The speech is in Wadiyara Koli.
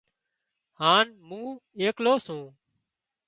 هانَ مُون ايڪلو سُون